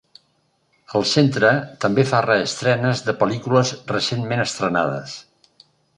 El centre també fa "reestrenes" de pel·lícules recentment estrenades.